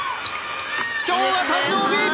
今日は誕生日！